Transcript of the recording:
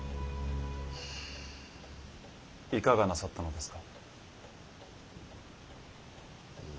いかがなさったのですか。